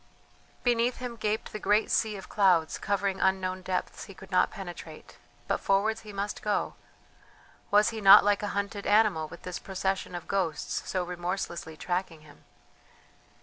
Beneath him gaped the great sea of clouds covering unknown depths he could not penetrate; but forwards he must go! Was he not like a hunted animal with this procession of ghosts so remorselessly tracking him?